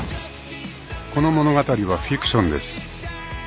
［この物語はフィクションです］